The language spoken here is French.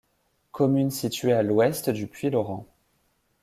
Commune située à l'ouest de Puylaurens.